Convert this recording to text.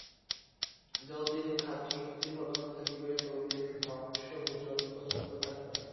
যতদিন ক্ষাত্রশক্তির প্রাধান্য থাকবে, ততদিন মাংসভোজন প্রচলিত থাকবে।